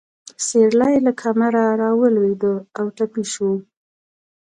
سېرلی له کمره راولوېده او ټپي شو.